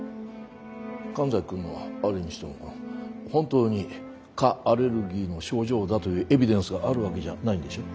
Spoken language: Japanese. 神崎君のあれにしても本当に蚊アレルギーの症状だというエビデンスがあるわけじゃないんでしょう。